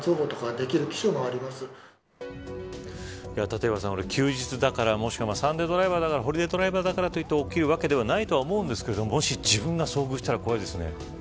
立岩さん、休日だからもしくはサンデードライバーだからホリデードライバーだからといって起きるわけじゃないと思いますがもし自分が遭遇したら怖いですね。